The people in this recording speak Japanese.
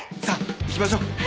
さあ行きましょう。